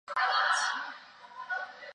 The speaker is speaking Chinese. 以上三种名称同时被官方网站使用。